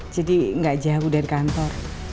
jadi gak jauh dari kantor